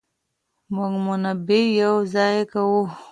موږ منابع يو ځای کوو.